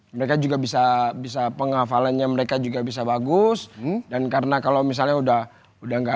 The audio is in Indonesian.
mereka juga bisa bisa penghafalannya mereka juga bisa bagus dan karena kalau misalnya udah udah nggak